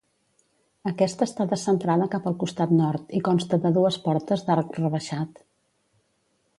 Aquesta està descentrada cap al costat nord i consta de dues portes d'arc rebaixat.